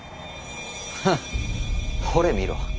フッほれ見ろ。